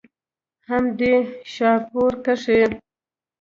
هم دې شاهپور کښې